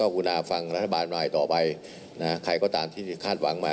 ใครก็ตามที่คาดหวังมา